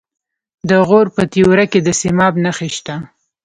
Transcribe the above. د غور په تیوره کې د سیماب نښې شته.